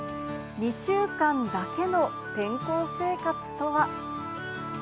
２週間だけの転校生活とは。